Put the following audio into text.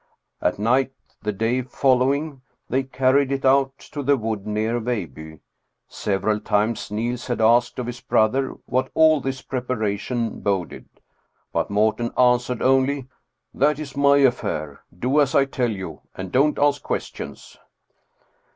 At night the day following, they carried it out to the wood near Veilbye. Several times Niels had asked of his brother what all this preparation boded. But Morten answered only, " That is my affair. Do as I tell you, and don't ask questions."